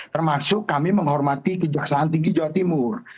termasuk kami menghormati kejaksaan tinggi jawa timur